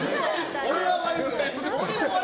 俺は弱くない！